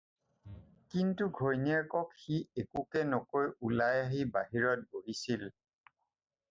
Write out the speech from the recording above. কিন্তু ঘৈণীয়েকক সি একোকে নকৈ ওলাই আহি বাহিৰত বহিছিল।